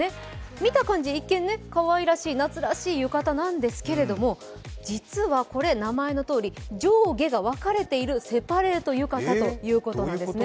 見た感じ一見かわいらしい夏らしい浴衣なんですけれども、実はこれ、名前のとおり上下が分かれているセパレート浴衣ということなんですね。